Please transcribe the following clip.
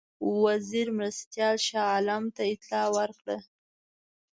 وزیر مرستیال شاه عالم ته اطلاع ورکړه.